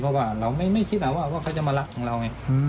เพราะว่าเราไม่คิดว่าเขาจะมารักของเราไง